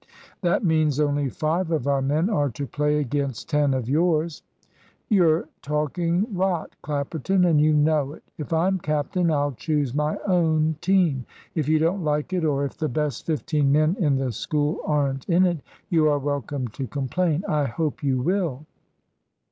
"That means only five of our men are to play against ten of yours." "You're talking rot, Clapperton, and you know it. If I'm captain, I'll choose my own team. If you don't like it, or if the best fifteen men in the school aren't in it, you are welcome to complain. I hope you will."